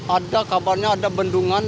ada kabarnya ada bendungan